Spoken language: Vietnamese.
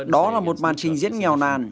đó là một màn trình diễn nghèo nàn